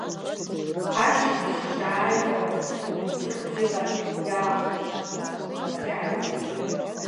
Ашыбжь шааҩуаз, гәыбзыӷ бжьыла иаахышҿышын, абжьы ааиқәтәеит.